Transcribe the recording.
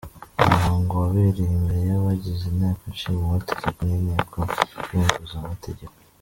Umuhango wabereye imbere y'abagize inteko nshinga amategeko n'inteko nkenguza amateka.